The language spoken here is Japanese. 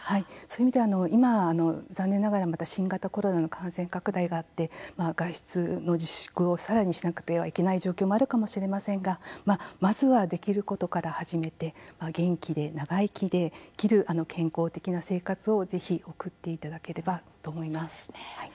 そういう意味では今、残念ながらまた新型コロナの感染拡大があって外出の自粛をさらにしなくてはいけない状況もあるかもしれませんがまずはできることから始めて元気で長生きできる健康的な生活をぜひ送っていただければと思います。